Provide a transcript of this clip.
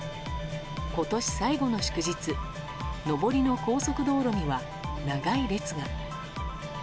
今年最後の祝日上りの高速道路は長い列が。